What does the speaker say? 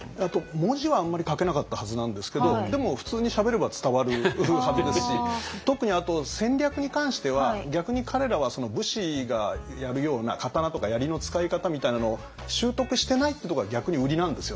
文字はあんまり書けなかったはずなんですけどでも普通にしゃべれば伝わるはずですし特に戦略に関しては逆に彼らは武士がやるような刀とか槍の使い方みたいなのを習得してないってとこが逆にウリなんですよね。